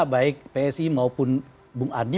baik psi maupun bung ardi